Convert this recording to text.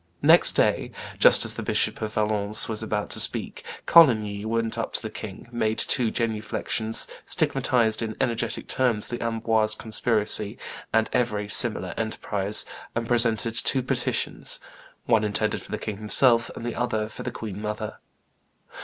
Next day, just as the Bishop of Valence was about to speak, Coligny went up to the king, made two genuflections, stigmatized in energetic terms the Amboise conspiracy and every similar enterprise, and presented two petitions, one intended for the king himself and the other for the queen mother.